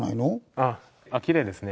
あっきれいですね。